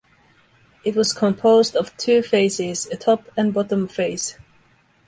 It was composed of two faces, a top and bottom face.